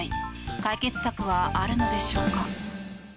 解決策はあるのでしょうか。